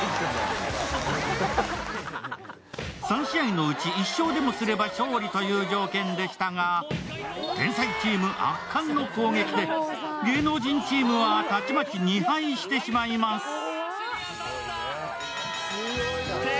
３試合のうち１勝でもすれば勝利という条件でしたが、天才チーム、圧巻の攻撃で、芸能人チームはたちまち２敗してしまいます。